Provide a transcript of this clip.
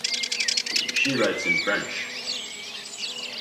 She writes in French.